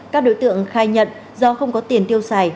các đối tượng khai nhận do không có tiền tiêu xài